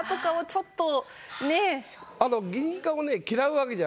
ちょっと！